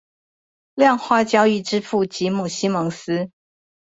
量化交易之父吉姆西蒙斯